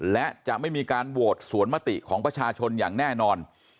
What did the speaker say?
และจะไม่มีการโหวตสวนมติของประชาชนอย่างแน่นอน